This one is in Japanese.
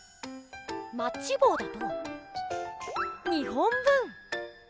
マッチぼうだと２本分！